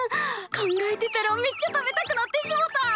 考えてたらめっちゃ食べたくなってしもた！